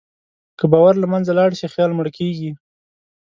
که باور له منځه لاړ شي، خیال مړ کېږي.